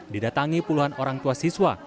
didatangi puluhan orang tua siswa